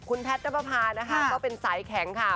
คุณแพทย์นับประพานะคะก็เป็นสายแข็งค่ะ